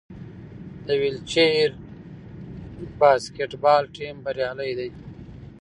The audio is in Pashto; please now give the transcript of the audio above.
د ویلچیر باسکیټبال ټیم بریالی دی.